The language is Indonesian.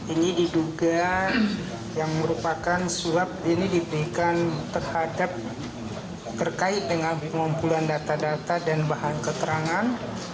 ini diduga yang merupakan suap ini diberikan terhadap terkait dengan pengumpulan data data dan bahan keterangan